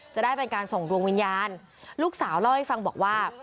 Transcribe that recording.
จะได้เป็นการส่งดวงวิญญาณลูกสาวเล่าให้ฟังบอกว่า